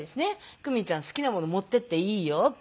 「クミちゃん好きなもの持っていっていいよ」って。